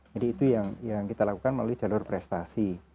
jadi itu yang kita lakukan melalui jalur prestasi